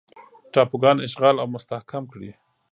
ټاپوګان اشغال او مستحکم کړي.